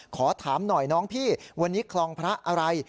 ขอถามหน่อยน้องพี่วันนี้คลองพระอะไร